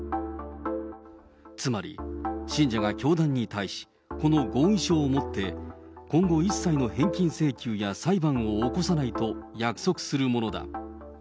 つまり、信者が教団に対し、この合意書をもって、今後、一切の返金請求や、裁判を起こさないと約束するものだ。